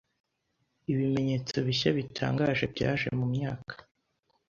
Ibimenyetso bishya bitangaje byaje mu myaka